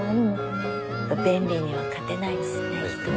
便利には勝てないですね人は。